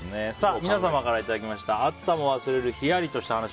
皆様からいただいた暑さも忘れるヒヤリとした話。